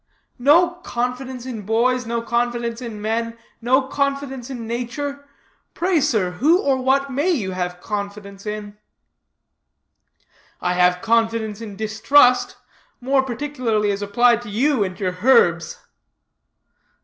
No confidence in boys, no confidence in men, no confidence in nature. Pray, sir, who or what may you have confidence in?" "I have confidence in distrust; more particularly as applied to you and your herbs."